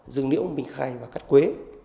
dương liễu minh khai và cát quế